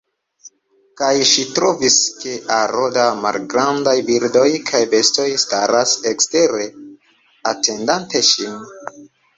Kaj ŝi trovis, ke aro da malgrandaj birdoj kaj bestoj staras ekstere atendante ŝin.